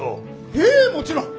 ええもちろん！